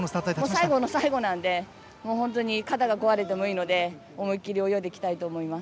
最後の最後なので肩が壊れてもいいので思い切り泳いでいきたいと思います。